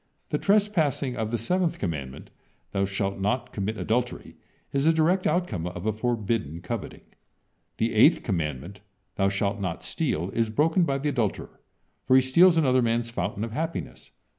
The trespassing of the seventh commandment: "Thou shalt not commit adultery," is the direct outcome of a forbidden coveting. The eighth commandment: "Thou shalt not steal," is broken by the adulterer, for he steals another man's fountain of happiness.